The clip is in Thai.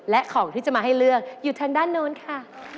และของที่จะมาให้เลือกอยู่ทางด้านโน้นค่ะ